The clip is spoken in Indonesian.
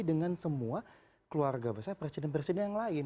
dengan semua keluarga besar presiden presiden yang lain